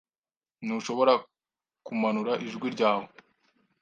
Ntushobora kumanura ijwi ryawe?